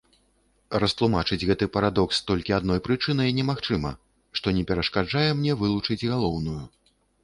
Растлумачыць гэты парадокс толькі адной прычынай немагчыма, што не перашкаджае мне вылучыць галоўную.